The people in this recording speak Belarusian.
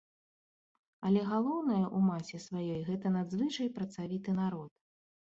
Але галоўнае, у масе сваёй, гэта надзвычай працавіты народ.